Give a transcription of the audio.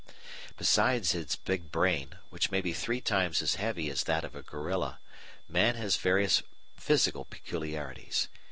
Besides his big brain, which may be three times as heavy as that of a gorilla, man has various physical peculiarities.